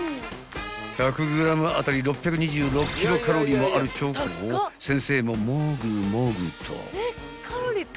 ［１００ｇ当たり６２６キロカロリーもあるチョコを先生もモグモグと］